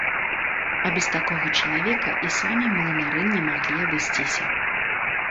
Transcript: А без такога чалавека і самі млынары не маглі абысціся.